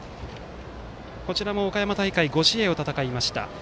岡山大会５試合を戦いました。